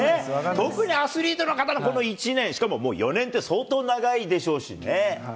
特にアスリートの方、この１年、しかももう４年って相当長いでしょうしね。